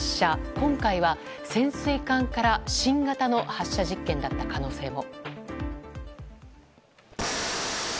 今回は、潜水艦から新型の発射実験だった可能性も。